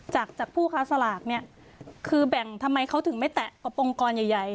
จากผู้ค้าสลากคือแบ่งทำไมเขาถึงไม่แตะกับองค์กรใหญ่